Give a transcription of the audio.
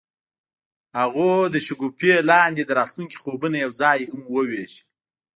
هغوی د شګوفه لاندې د راتلونکي خوبونه یوځای هم وویشل.